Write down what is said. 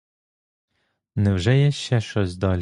Невже є ще щось далі?